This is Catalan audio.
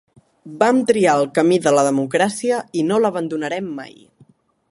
Vam triar el camí de la democràcia i no l’abandonarem mai.